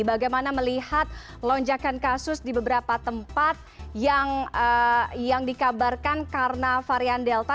bagaimana melihat lonjakan kasus di beberapa tempat yang dikabarkan karena varian delta